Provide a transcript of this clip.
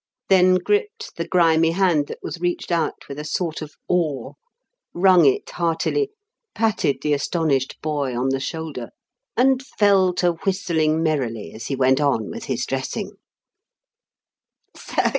then gripped the grimy hand that was reached out with a sort of awe, wrung it heartily, patted the astonished boy on the shoulder; and fell to whistling merrily as he went on with his dressing.